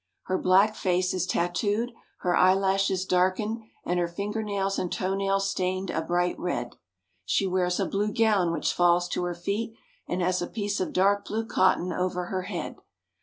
Her black face is tattooed, her eyelashes darkened, and her finger nails and toe nails stained a bright red. She wears a blue gown which falls to her feet, and has a piece of dark blue cotton over her head.